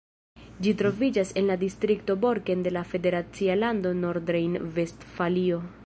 Ĝi troviĝas en la distrikto Borken de la federacia lando Nordrejn-Vestfalio.